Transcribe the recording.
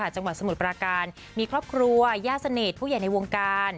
จังหวัดสมุทรปราการมีครอบครัวย่าสนิทผู้ใหญ่ในวงการ